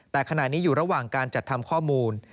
แต่ขณะนี้อยู่ระหว่างการจัดทำข้อมูล